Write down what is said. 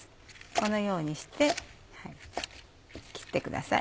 このようにして切ってください。